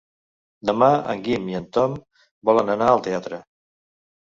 Demà en Guim i en Tom volen anar al teatre.